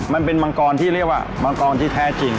มังกรที่เรียกว่ามังกรที่แท้จริง